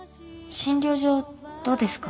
診療所どうですか？